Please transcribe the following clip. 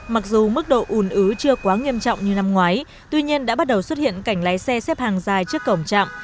mặc dù mức độ ùn ứ chưa quá nghiêm trọng như năm ngoái tuy nhiên đã bắt đầu xuất hiện cảnh lái xe xếp hàng dài trước cổng trạm